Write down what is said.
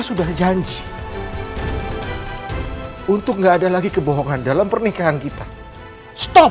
sudah janji untuk gak ada lagi kebohongan dalam pernikahan kita stop